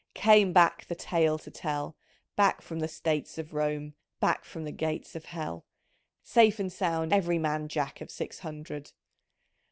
Came back the tale to tell ; Back from the states of Rome — Back from the gates of Hell — Safe and sound every man Jack of Six Hundred